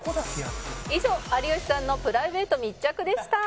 「以上有吉さんのプライベート密着でした」